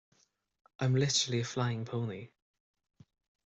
I'm literally a flying pony.